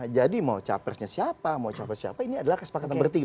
jadi mau cawa presnya siapa mau cawa pres siapa ini adalah kesepakatan bertiga